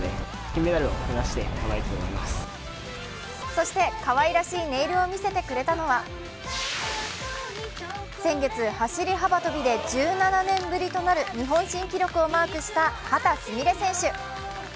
そしてかわいらしいネイルを見せてくれたのは先月、走り幅跳びで１７年ぶりとなる日本新記録をマークした秦澄美鈴選手。